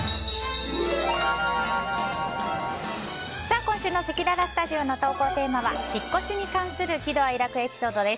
今週のせきららスタジオの投稿テーマは引っ越しに関する喜怒哀楽エピソードです。